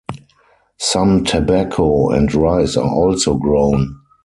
Some tobacco and rice are also grown.